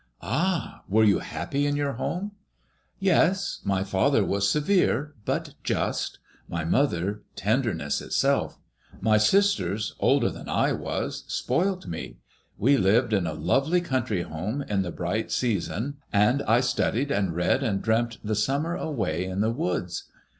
''" Ah I were you happy in your home ?••" Yes. My father was severe, but just My mother, tenderness itself. My sisters, older than I was, spoilt me. We lived in a lovely country home in the bright MADEMOISELLS IXE. 1 37 season, and I studied and read and dreamt the summer away in the woods.